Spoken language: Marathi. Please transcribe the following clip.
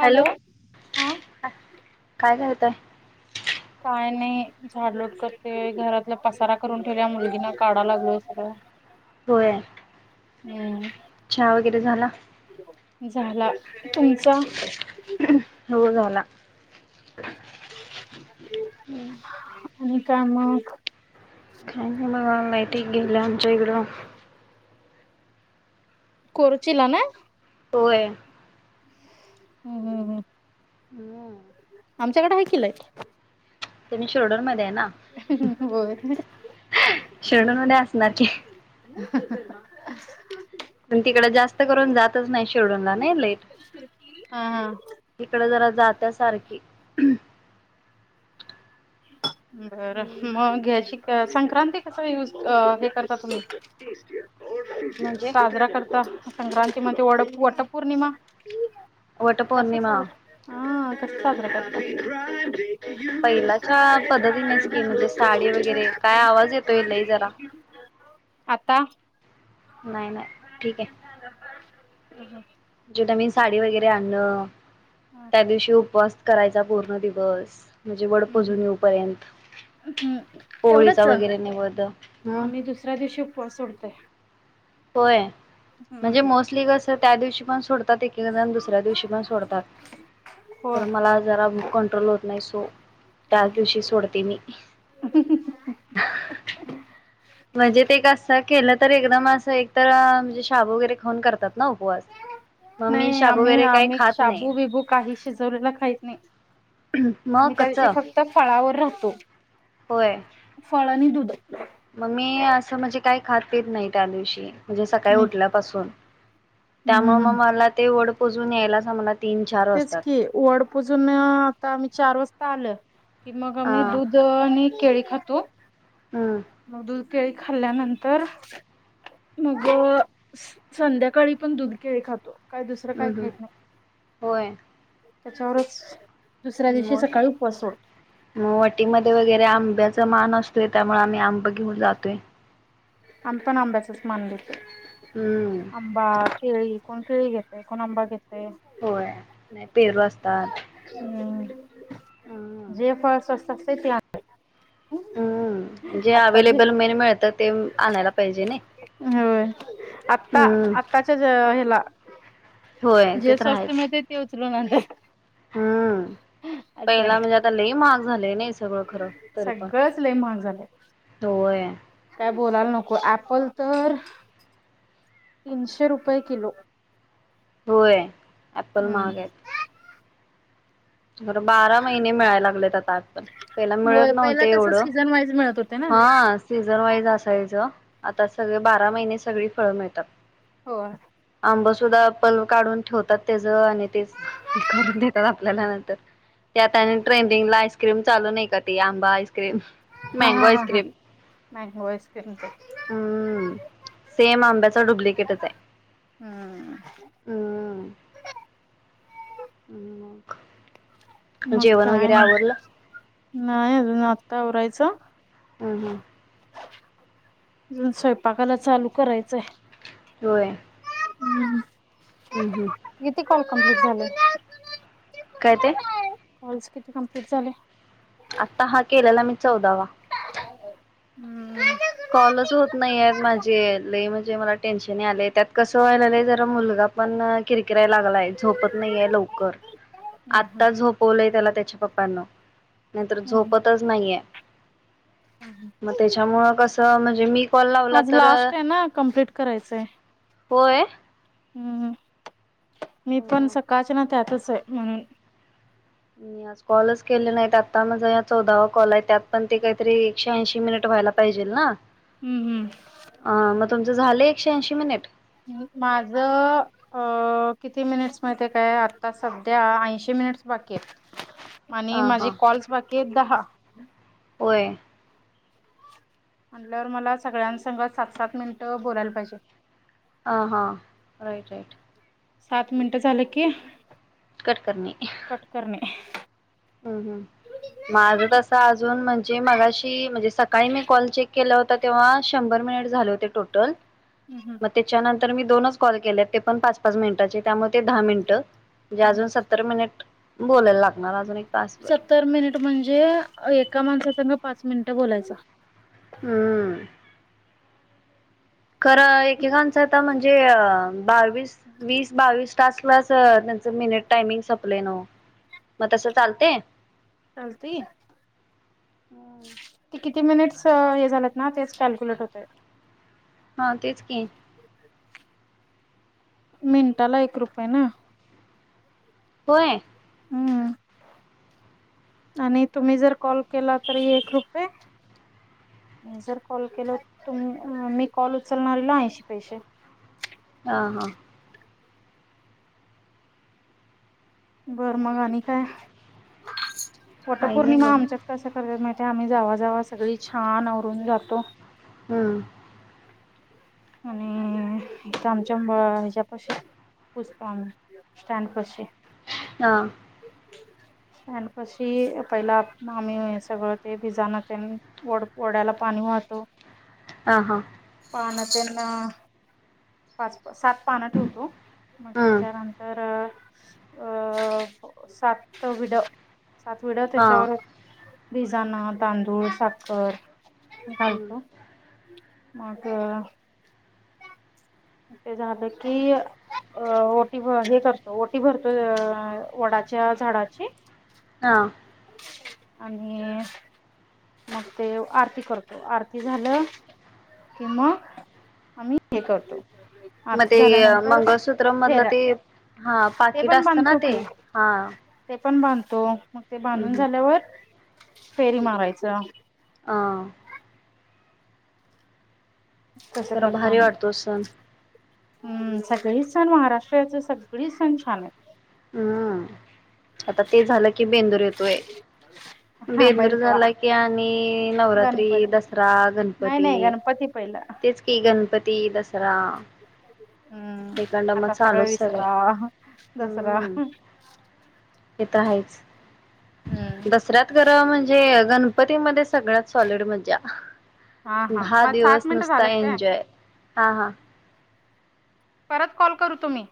हॅलो हा काय करतय काय नाही झाडलोट करते घरातला पसारा करून ठेवल्या मुलगीना काढा लागल सगळं होय हम् चहा वगैरे झाला झाला तुमचा हो झाला आणि का मग काही नाही बघ नाहीत गेले आमच्या इकडं करच ना होय हम् हम् हम् हम् आमच्याकडे ह किील आहे त्यां म शिरोडर माहि होय शेणून असणार की [unintelligible] पण तिकड जास्त करून जातच नाही शेडूनला नाही लेट हा हा इकड जरा जात्या सारखी बरं मग घ्या श संक्रांती कस युज हे करता तुम्ही म्हणजे साजरा करता संक्रांती म वड वट पौर्णिमा कस वटपौर्णिमा स्र हा कस्र अा पद्धतीनेच की म्हणजे साडी वगैरे काय आवाज येतोय लई जरा आता नाही नाही ठीक आहे ह हं जे न मी साडी वगैरे आणल त्या हम्म दिवशी उपवास करायचा पूर्ण दिवस म्हणजे वडपजून येऊपर्यंत हम्म पोळीचा तेवढंच वगैरे नि बध हम् वासलते होय म्हणजे मोस्टली कसं त्या दिवशी पण सोडतात एक जण दुसऱ्या दिवशी पण सोडतात होय कार मला जरा बुक कंट्रोल होत नाही सो त्याच दिवशी सोडते मी म्हणजे ते कसं केलं तर एकदम असं एक तर म्हणजे शाब वगैरे खाऊन करतात ना उपवास मग मी नाही शाबू आम्ही वगैरे काही आम्ही खात नाही शाबू बिबू काही शिजवलेला खायत नाही मग आम्ही त्या कच्च दिवशीी फक्त फळावर राहतो होय फळ आणि दूध मग मी असं म्हणजे काही खात पित नाही त्या दिवशी म्हणजे सकाळी मी उठल्यापासून हम्म त्यामुळे हम्म मग मला ते वड पुजून यायलाच आम्हाला तीन चार तेच वाजतात. की वड पुजून आता आमी चार वाजता आलोय. कि मग हा आम्ही दूध आणि केळी खातो. हम्म मग दूध केळी खाल्ल्यानंतर मग संध्याकाळी पण दुध केळी खातो. काय दुसरं काय हम्म हम्म खाईत नाही. होय त्याच्यावरंच म मग वटीमध्ये वगैरे आंब्या चा मान असतोय त्यामुळे आम्ही आंब घेऊन जातोय. आमी पण आंब्याचाच मान देतोय. हम्म आंबा, केळी कोण केळी घेतय कोण आंबा घेते. होय नाही पेरू असतात. हम्म हम्म जे फळ स्वस्त असतंय ते आण हम्म जे अवेलेबल मेन मिळत ते आणायला पाहिजे नई. होय आत्ता आत्ताच्या ज हेला होय जे स्वस्त मिळतंय ते उचलुन आणायचं. हम्म्. पहिला म्हणजे आता लई महाग झालंय नाही सगळं खरं तरी पण सगळंच लय महाग झालंय. होय काय बोलायला नको ऍप्पल तर तीनशे रुपये किलो. होय ऍप्पल हम्म. महाग आहेत. बरं बारा महिने मिळायला लागलेत आता ऍपल पहिला मिळत होय पहिला नव्हते कसं एवढं. सीझन वाईज मिळत होते ना. हा सीझन वाईज असायचं, आता सगळे बारा महिने सगळी फळं मिळतात. होय. आंब सुद्धा पल काढून ठेवतात त्याच आणि ते करून देतात आपल्याला नंतर त्यात आणि ट्रेंडिंगला आईस्क्रीम चालू नाही का ते आंबा आईस क्रीम हा मँंगो हा हा हा आईसक्रीम मँगो आईस्क्रीम ते. हम्म सेम आंब्याचा डुप्लिकेटच आहे. हम्म. [inaudible] आणि मग मग जेवण काय वगैरे आवरलं मग नाही अजून आत्ता आवरायचं. हम्म हम्म अजुन स्वयंपाकाला चालू करायचंय. होय. हम् हम्म हम्म. काल कंप्लीट झालं. काय ते? कॉल्स किती कंप्लीट झाले? आता हा केलेला मी चौदावा. हम्म कॉलच होत नाही आहेत माझे लय म्हणजे मला टेन्शन यालेय, त्यात कसं व्हायलालय जरा मुलगा पण कीर कीराय लागलाय झोपत नाहीेय लवकर, हम्म हम्म आता झोपवलंय त्याला त्याच्या पप्पांना नाहीतर हम्म झोपतच नाही आहे. मग त्याच्यामुळं कस म्हणजे मी कॉल लावला आज तर लास्ट आहे ना कम्प्लीट होय हम् मी पण सकाळच ना त्यातच आहे म्हणून आज कॉलच केले नाहीत आता माझा ह चौदावा कॉल आहे त्यात पण ते काहीतरी एकशे ऐंशी मिनिट व्हायला पाहिजे ना हम्म हम्म अ मग तुमचं झाले ् माझ अ किती मिनिट्स माहिती काय आता सध्या ऐंशी मिनिट्स बाकी आहेत आणि ह माझे हां कॉल्स बाकी आहेत दहा होय म्हल्यावर मला सगळ्यांसग सात सात मिनिटं बोलायला पाहिजे ह हा रईट राईट सात मिनिट झालं की कट कट करणे हम् हम माझ हम्म तस अजून म्हणजे मगाशी म्हणजे सकाळी मी कॉल चेक केला होता तेव्हा शंभर टोटल हम्म मग त्याच्यानंतर मी दोनच कॉल केले ते पण पाच पाच मिनिटाचे त्यामुळे ते दहा मिनिट म्हणजे हम्म. अजून सत्तर मिनिट बोलायला लागणार अजून एक तासभर सत्तर मिनिट म्हणजे एका माणसासग पाच मिनिट बोलायच हम्म खरं एकेकांचं आता म्हणजे बावीस वीस बावीस तासला मिनिट टाइमिंग संपले न मग तसं चालते चालते किती मिनिट झा ना तेच कल्क्युलेट होत हा तेच की मिनटाला एक रुपये ना होय हम्म आणि तुम्ही जर कॉल केला तरी एक रुपये जर कॉल केल तुम मी कॉल उचलणार ना ऐशी पैसे हां हां बरं मग आणि काय काही नाही पटपौर्णिमा बघ आमच्यात कस करतात माहिे आम्ही जावा जावा सगळी छान आवरून जातो हम्म आणि आमच्या हच्या पशी पूसतो आम्ही स्टॅड पाशी हा अ पशी पहिला आम् सगळं ते भिजण वड्याला पाणी महतो ह हा पाण्या त्यांना पाच सात पानं ठेवतो मग हम्म त्याच्यानंतर अ सात विड सात विड हा त्याच्यावर बिजना तांदूळ साखर हम्म घालतो मग [inaudible] ते झालं की अ ओटी हे करतो ओटी भरतो अ वडा च्या झाडाची. हा आणि मग ते आरती करतो आरती झालं.. किंवा आम्ही हे करतो. मग आरती ते झाल्यानंतर मंगळसूत्र मधलं फेऱ्या ते... हा ते पाकिट पण असतं ना बांधतो ते की हा. ते पण बांधतो मग ते हम्म बांधून हम्म झाल्यावर फेरी मारायच. हा. तसं खरं करतो भारी आम्ही वाटतो सण. हम्म सगळे सण महाराष्ट्राचे सगळे सण छान आहेत. हम्म आता ते झालं की बेंदूर येतोय. हा बेंदूर बैलपोळा झाला की आणि नवरात्री, गणपती दसरा, नाही गणपती. नाही गणपती पहिला तेच कि गणपती दसरा. हम्म एकंड मग आता सगळं चालूच सगळे विसरा दसरा.. हे तर आहेच हम्म दसऱ्यात गर म्हणजे गणप णपतीमध्येध्ये सगळ्यात सॉलड मज्जा हा हा दहा मग दिवस सात मिनिटं नुसता झालेत काय एन्जॉय. हा हा. परत कॉल करतो मी.